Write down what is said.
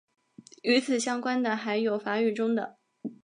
与此相关的还有法语中的。